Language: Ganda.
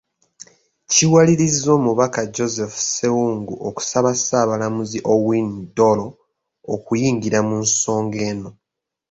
Kiwaliriza Omubaka Joseph Ssewungu okusaba Ssaabalamuzi Owiny Dollo okuyingira mu nsonga eno.